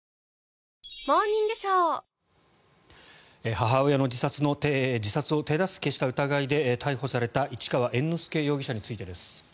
母親の自殺を手助けした疑いで逮捕された市川猿之助容疑者についてです。